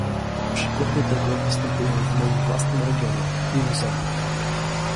Przykłady tego występują w moim własnym regionie, Limousin